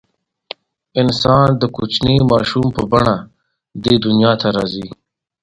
انسان د کوچني ماشوم په بڼه دې دنیا ته راځي.